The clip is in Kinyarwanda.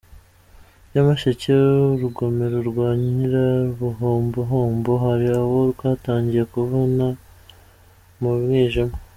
Nyamasheke Urugomero rwa Nyirabuhombohombo hari abo rwatangiye kuvana mu mwijima